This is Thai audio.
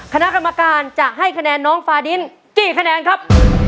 คณะกรรมการจะให้คะแนนน้องฟาดินกี่คะแนนครับ